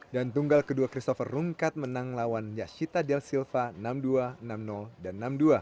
dan tunggal kedua christopher rungkat menang lawan yashita del silva enam dua enam dan enam dua